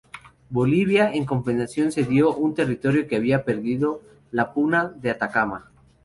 Bolivia, en compensación, cedió un territorio que había perdido: la Puna de Atacama.